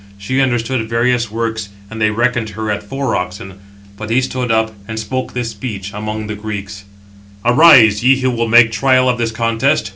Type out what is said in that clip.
She understood various works, and they reckoned her at four oxen. But he stood up, and spoke this speech among the Greeks: "Arise, ye who will make trial of this contest."